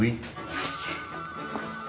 よし。